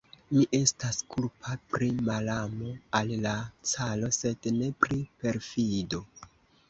Mi estas kulpa pri malamo al la caro, sed ne pri perfido!